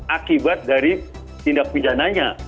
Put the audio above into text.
akibat dari tindak pidananya